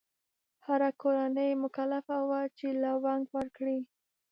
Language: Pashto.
هره کورنۍ مکلفه وه چې لونګ ورکړي.